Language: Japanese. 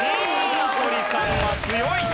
名取さんが強い！